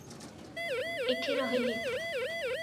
ଏଠି ରହିଲି ।